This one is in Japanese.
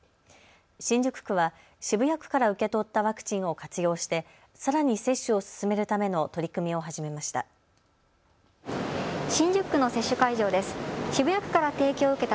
新宿区は渋谷区から受け取ったワクチンを活用してさらに接種を進めるための取り組みを始めました。